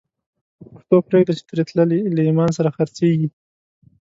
پښتو پریږده چی تری تللی، له ایمان سره خرڅیږی